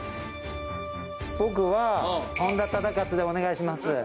僕は本多忠勝でお願いします。